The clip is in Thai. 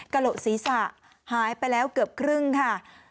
โหลกศีรษะหายไปแล้วเกือบครึ่งค่ะ